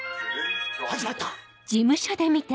始まった！